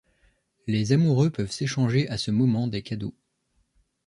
Les amoureux peuvent s’échanger à ce moment des cadeaux.